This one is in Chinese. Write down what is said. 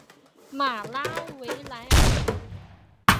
马拉维莱尔。